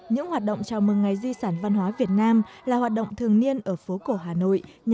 những hoạt động chào mừng ngày di sản văn hóa việt nam là hoạt động thường niên ở phố cổ hà nội